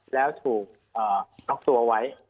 แล้วถูกล็อกตัวไว้